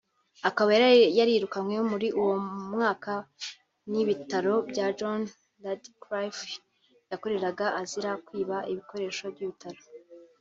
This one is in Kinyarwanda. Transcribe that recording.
Akaba yari yarirukanywe muri uwo mwaka n’ibitaro bya John Radcliffe yakoreraga azira kwiba ibikoresho by’ibitaro